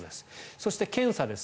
そして、検査です。